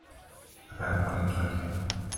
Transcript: About one in twenty.